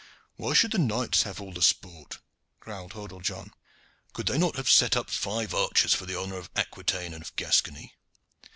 "Why should the knights have all the sport?" growled Hordle John. "Could they not set up five archers for the honor of Aquitaine and of Gascony?"